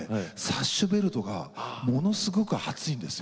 サッシュベルトがものすごく暑いんです。